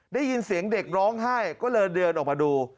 ได้ยินเสียงเด็กร้องไห้ก็เลยเดินออกมาดู